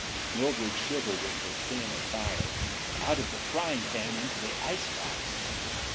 Mildred shivered in her thin attire. "Out of the frying pan into the ice box!"